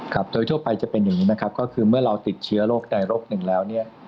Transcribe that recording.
โดยทั่วไปจะเป็นอย่างนี้นะครับก็คือเมื่อเราติดเชื้อโรคใดโรคหนึ่งแล้วเนี่ย